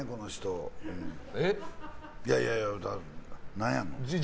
何やの？